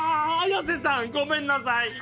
ああ綾瀬さんごめんなさい！